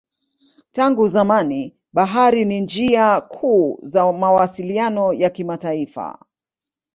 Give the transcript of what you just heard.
Tangu zamani bahari ni njia kuu za mawasiliano ya kimataifa.